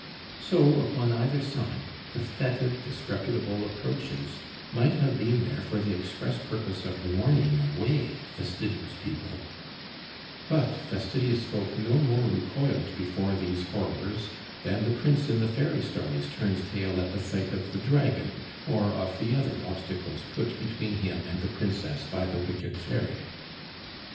So, upon either side, the fetid, disreputable approaches might have been there for the express purpose of warning away fastidious people; but fastidious folk no more recoiled before these horrors than the prince in the fairy stories turns tail at sight of the dragon or of the other obstacles put between him and the princess by the wicked fairy.